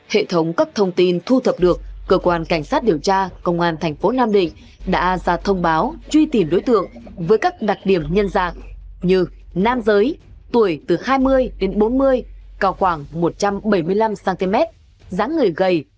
hệ thống các thông tin thu thập được cơ quan cảnh sát điều tra công an thành phố nam định đã ra thông báo truy tìm đối tượng với các đặc điểm nhân dạng như nam giới tuổi từ hai mươi đến bốn mươi cao khoảng một trăm bảy mươi năm cm dáng người gầy